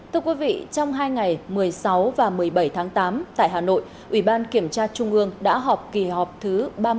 thưa quý vị trong hai ngày một mươi sáu và một mươi bảy tháng tám tại hà nội ủy ban kiểm tra trung ương đã họp kỳ họp thứ ba mươi